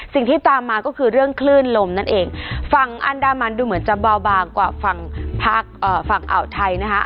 สิ่งที่ตามมาก็คือเรื่องคลื่นลมนั่นเองฝั่งอันดามันดูเหมือนจะเบาบางกว่าฝั่งภาคฝั่งอ่าวไทยนะคะ